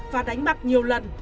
và đánh bạc nhiều lần